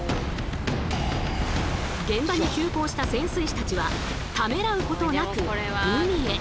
現場に急行した潜水士たちはためらうことなく海へ。